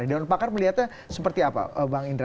dewan pakar melihatnya seperti apa bang indra